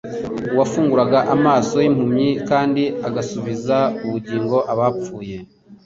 uwafunguraga amaso y'impumyi kandi agasubiza ubugingo abapfuye,